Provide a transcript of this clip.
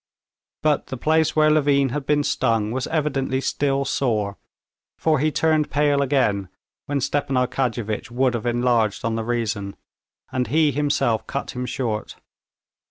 But the place where Levin had been stung was evidently still sore, for he turned pale again, when Stepan Arkadyevitch would have enlarged on the reason, and he himself cut him short.